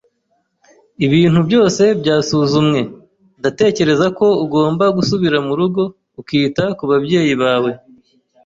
Ibintu byose byasuzumwe, ndatekereza ko ugomba gusubira murugo ukita kubabyeyi bawe.